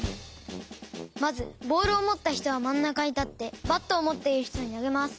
まずボールをもったひとはまんなかにたってバットをもっているひとになげます。